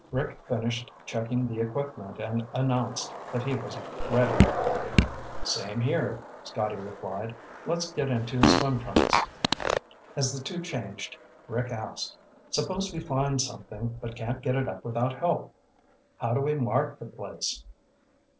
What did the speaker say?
Rick finished checking the equipment and announced that he was ready. "Same here," Scotty replied. "Let's get into swim trunks." As the two changed, Rick asked, "Suppose we find something, but can't get it up without help? How do we mark the place?"